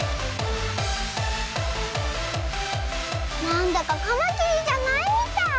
なんだかカマキリじゃないみたい。